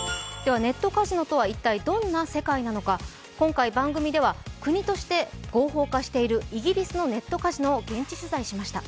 ネットカジノとは一体どんな世界なのか今回、番組では国として合法化しているイギリスのネットカジノを現地取材しました。